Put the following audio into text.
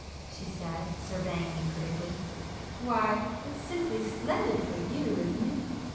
she said, surveying me critically—"Why, it's simply splendid for you isn't it?